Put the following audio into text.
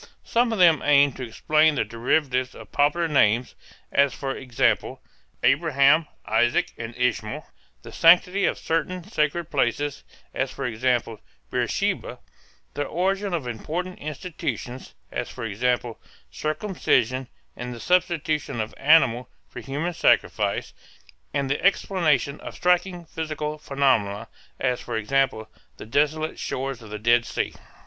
Some of them aim to explain the derivation of popular names, as for example, Abraham, Isaac, and Ishmael, the sanctity of certain sacred places, as for example, Beersheba, the origin of important institutions, as for example, circumcision and the substitution of animal for human sacrifice, and the explanation of striking physical phenomena, as for example the desolate shores of the Dead Sea.